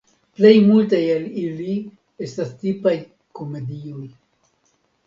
Plej multaj el ili estas tipaj komedioj.